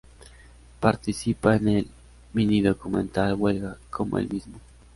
Participa en el mini-documental "Huelga", como el mismo.